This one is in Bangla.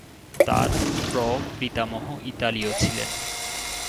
তার প্র-পিতামহ ইতালীয় ছিলেন।